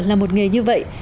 là một nghề như vậy